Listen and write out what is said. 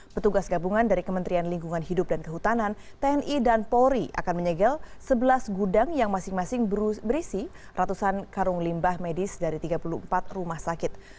petugas gabungan dari kementerian lingkungan hidup dan kehutanan tni dan polri akan menyegel sebelas gudang yang masing masing berisi ratusan karung limbah medis dari tiga puluh empat rumah sakit